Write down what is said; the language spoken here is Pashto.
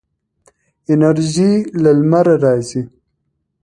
انرژي له لمره راځي.